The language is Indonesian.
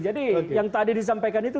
jadi yang tadi disampaikan itu